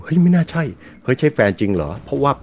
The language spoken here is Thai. ไม่น่าใช่เฮ้ยใช่แฟนจริงเหรอเพราะว่า